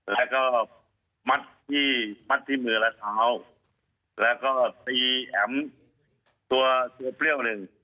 แล้วก็มัดที่มัดที่มือและเท้าแล้วก็ตีแอ๋มตัวตัวเปรี้ยวหนึ่ง